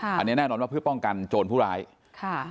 อันนี้แน่นอนว่าเพื่อป้องกันโจรผู้ร้ายค่ะ